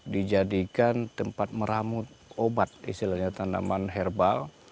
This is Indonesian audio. dijadikan tempat meramut obat istilahnya tanaman herbal